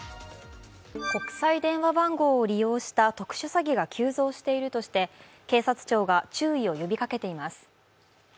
国際電話番号を利用した特殊詐欺が急増しているとして警察庁が注意を呼びかけています。